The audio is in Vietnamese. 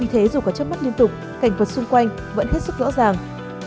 vì thế dù có chất mắt liên tục cảnh vật xung quanh vẫn hết sức rõ ràng